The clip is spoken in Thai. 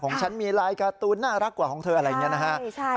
ฉันมีลายการ์ตูนน่ารักกว่าของเธออะไรอย่างนี้นะฮะ